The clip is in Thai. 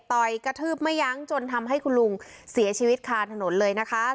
กระทืบไม่ยั้งจนทำให้คุณลุงเสียชีวิตคาถนนเลยนะคะ